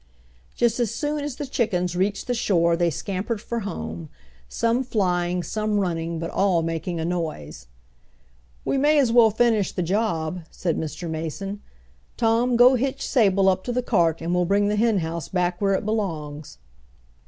Just as soon as the chickens reached the shore they scampered for home some flying, some running, but all making a noise. "We may as well finish the job," said Mr. Mason. "Tom, go hitch Sable up to the cart and we'll bring the henhouse back where it belongs."